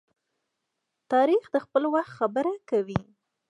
تاریخ د خپل وخت خبره کوي.